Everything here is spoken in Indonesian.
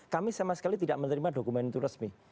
kami sama sekali tidak menerima dokumen itu resmi